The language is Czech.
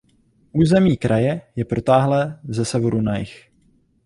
Území kraje je protáhlé ze severu na jih.